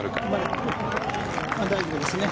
大丈夫ですね。